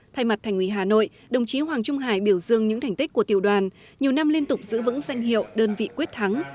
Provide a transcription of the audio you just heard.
thay mặt thành ủy hà nội đồng chí hoàng trung hải biểu dương những thành tích của tiểu đoàn nhiều năm liên tục giữ vững danh hiệu đơn vị quyết thắng